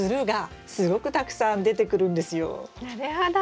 なるほど。